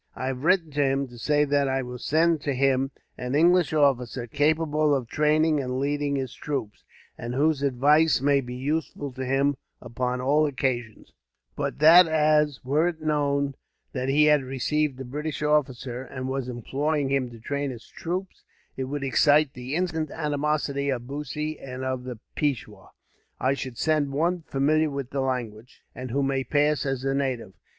I have written to him, to say that I will send to him an English officer, capable of training and leading his troops, and whose advice may be useful to him upon all occasions; but that as, were it known that he had received a British officer, and was employing him to train his troops, it would excite the instant animosity of Bussy and of the Peishwar; I should send one familiar with the language, and who may pass as a native.